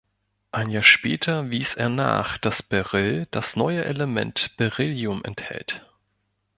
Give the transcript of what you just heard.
Ein Jahr später wies er nach, dass Beryll das neue Element Beryllium enthält.